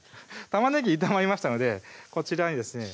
玉ねぎ炒まりましたのでこちらにですね